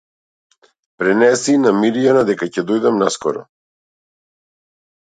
Пренеси и на Мирјана дека ќе дојдам наскоро.